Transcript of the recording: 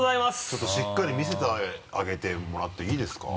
ちょっとしっかり見せてあげてもらっていいですか？